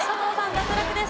脱落です。